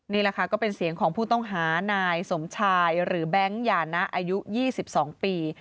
นี่แหละค่ะก็เป็นเสียงของผู้ต้องหานายสมชายหรือแบงค์อย่านะอายุ๒๒ปี